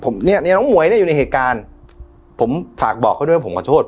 ผมเนี่ยน้องหมวยเนี่ยอยู่ในเหตุการณ์ผมฝากบอกเขาด้วยผมขอโทษ